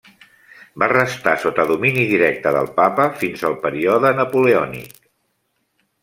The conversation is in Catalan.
Va restar sota domini directe del Papa fins al període napoleònic.